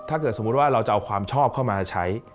ถ้าเกิดสมมติว่าเราจะเอาความชอบเข้ามาใช้